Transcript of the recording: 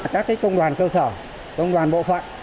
các công đoàn cơ sở công đoàn bộ phận